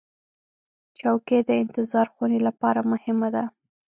چوکۍ د انتظار خونې لپاره مهمه ده.